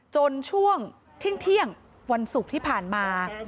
จนช่วงที่เที่ยงวันสุดที่ผ่านมา